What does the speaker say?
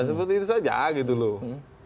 seperti itu saja gitu loh